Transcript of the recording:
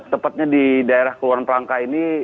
tepatnya di daerah kelurahan pelangka ini